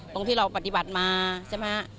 ตรงที่เราปฏิบัติมาใช่ไหมฮะ